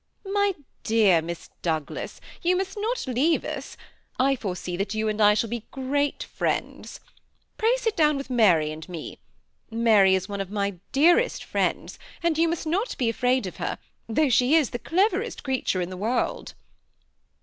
^ My dear Miss Douglas, you must not leave us ; I foresee that you and I shall be great friends* Pray sit down widi Mary and me. Mary is one of my dearest friends ; and you must not be afraid of her, though she is the cleverest creature in the world."